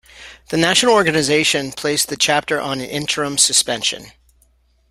The national organization placed the chapter on an interim suspension.